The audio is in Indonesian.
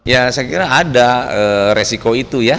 ya saya kira ada resiko itu ya